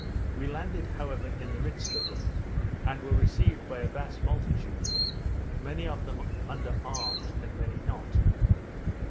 We landed, however, in the midst of them, and were received by a vast multitude, many of them under arms, and many not.